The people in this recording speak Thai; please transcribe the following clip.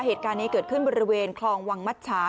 เหตุการณ์นี้เกิดขึ้นบริเวณคลองวังมัชชา